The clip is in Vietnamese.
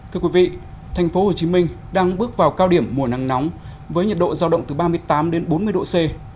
thưa quý vị tp hcm đang bước vào cao điểm mùa nắng nóng với nhiệt độ giao động từ ba mươi tám bốn mươi độ c